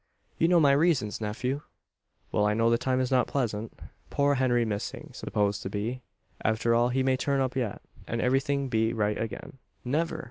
"You know my reasons, nephew?" "Well, I know the time is not pleasant. Poor Henry missing supposed to be After all, he may turn up yet, and everything be right again." "Never!